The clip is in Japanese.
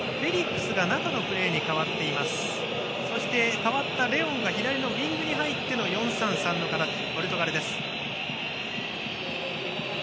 代わったレオンが左のウィングに入って４−３−３の形ポルトガルです。